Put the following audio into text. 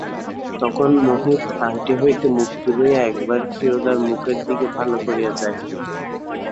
তখন মোহিত আংটি হইতে মুখ তুলিয়া একবার ক্ষীরোদার মুখের দিকে ভালো করিয়া চাহিলেন।